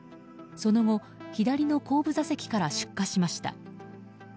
その後左の後部座席から出火しました。